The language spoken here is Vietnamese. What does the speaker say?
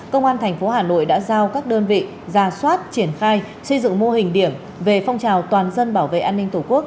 công an thành phố hà nội đã giao các đơn vị ra soát triển khai xây dựng mô hình điểm về phong trào toàn dân bảo vệ an ninh tổ quốc